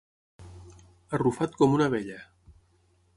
Arrufat com una vella.